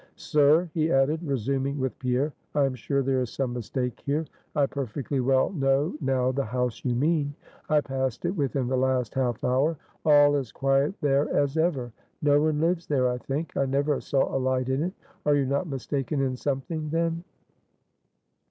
Sir," he added, resuming with Pierre, "I am sure there is some mistake here. I perfectly well know now the house you mean. I passed it within the last half hour; all as quiet there as ever. No one lives there, I think; I never saw a light in it. Are you not mistaken in something, then?"